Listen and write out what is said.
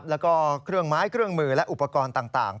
แล้วก็เครื่องไม้เครื่องมือและอุปกรณ์ต่าง